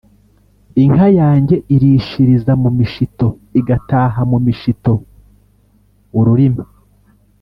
Inka yanjye irishiriza mu mishito igataha mu mishito-Ururimi.